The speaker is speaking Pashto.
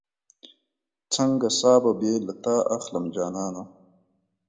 څنګه ساه به بې له تا اخلم جانانه